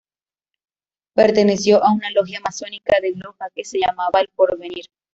Perteneció a una logia masónica de Loja que se llamaba El Porvenir.